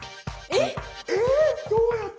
えっ